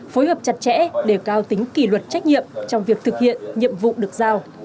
phối hợp chặt chẽ để cao tính kỷ luật trách nhiệm trong việc thực hiện nhiệm vụ được giao